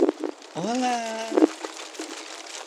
โอล่า